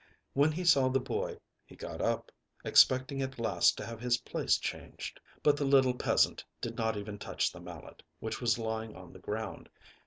When he saw the boy, he got up, expecting at last to have his place changed. But the little peasant did not even touch the mallet, which was lying on the ground.